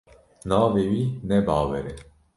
Navê wî ne Bawer e.